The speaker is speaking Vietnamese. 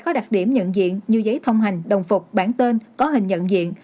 có đặc điểm nhận diện như giấy thông hành đồng phục bản tên có hình nhận diện